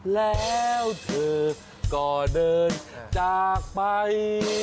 แล้วเธอก็เดินจากไป